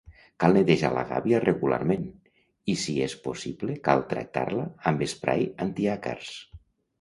Cal netejar la gàbia regularment, i si es possible cal tractar-la amb esprai antiàcars.